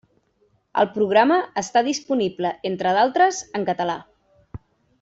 El programa està disponible, entre d'altres, en català.